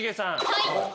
はい。